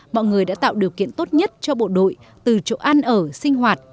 mọi người đã tạo điều kiện tốt nhất cho bộ đội từ chỗ ăn ở sinh hoạt